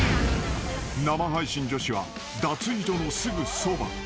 ［生配信女子は脱衣所のすぐそば］